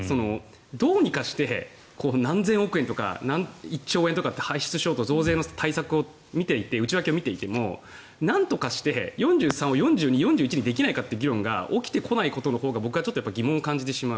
どうにかして何千億円とか１兆円とか排出しようと増税の対策を見ていて内訳を見ていてもなんとかして４３を４１、４２にできないのかという起きてこないことのほうが僕は疑問を感じてしまう。